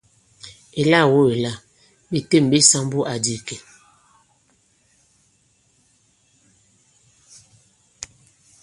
Èlâ-o èla! Ɓè têm ɓe sāmbu àdì ìkè.